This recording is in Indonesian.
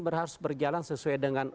berharus berjalan sesuai dengan